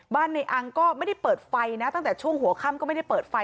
ในอังก็ไม่ได้เปิดไฟนะตั้งแต่ช่วงหัวค่ำก็ไม่ได้เปิดไฟ